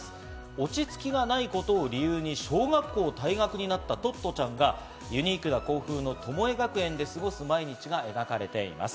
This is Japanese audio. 落ち着きがないことを理由に小学校を退学になったトットちゃんが、ユニークな校風のトモエ学園で過ごす毎日が描かれています。